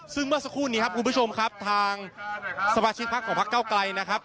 ซึ่งเมื่อสักครู่นี้ครับคุณผู้ชมครับทางสมาชิกพักของพักเก้าไกลนะครับ